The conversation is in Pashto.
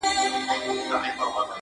ستا د خالپوڅو د شوخیو وطن-